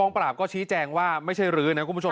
ปราบก็ชี้แจงว่าไม่ใช่รื้อนะคุณผู้ชม